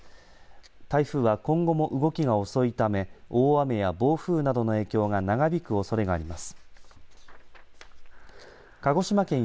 台風は今後も動きが遅いため大雨や暴風などの影響が長引くおそれがあります。